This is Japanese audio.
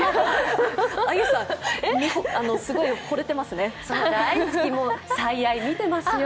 あゆさん、すごいほれてますね。